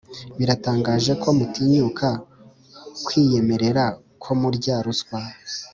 birantangaje ko mutinyuka kwiyemerera ko murya ruswa